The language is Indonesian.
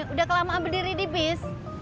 udah kelamaan berdiri di bis